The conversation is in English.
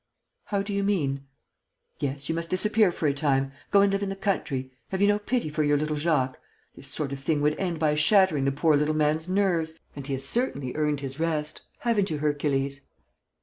"How do you mean?" "Yes, you must disappear for a time; go and live in the country. Have you no pity for your little Jacques? This sort of thing would end by shattering the poor little man's nerves.... And he has certainly earned his rest, haven't you, Hercules?"